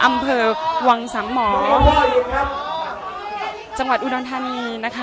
อำเผิกวังสำหมอยจังหวัดอุดนทานีนะคะ